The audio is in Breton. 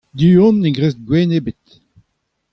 Du-hont ne gresk gwezenn ebet.